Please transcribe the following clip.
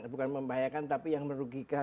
bukan membahayakan tapi yang merugikan